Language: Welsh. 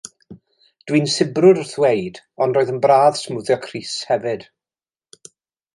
Dwi'n sibrwd wrth ddweud ond roedd yn braf smwddio crys hefyd.